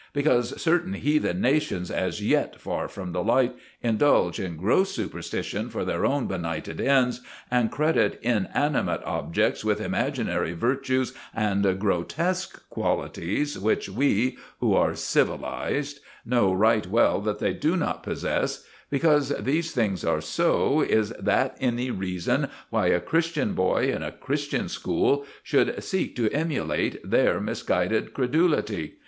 Because certain heathen nations, as yet far from the light, indulge in gross superstition for their own benighted ends, and credit inanimate objects with imaginary virtues and grotesque qualities which we, who are civilized, know right well that they do not possess—because these things are so, is that any reason why a Christian boy in a Christian school should seek to emulate their misguided credulity?